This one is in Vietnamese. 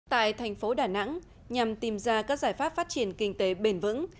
tại thành phố đà nẵng nhằm tìm ra các giải pháp phát triển kinh tế bền vững